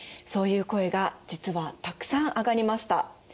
そういう声が実はたくさん上がりました。